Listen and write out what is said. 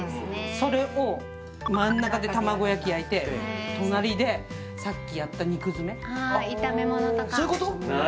それを真ん中で卵焼き焼いて隣でさっきやった肉詰めああ